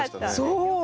そう！